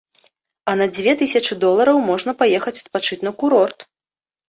А на дзве тысячы долараў можна паехаць адпачыць на курорт.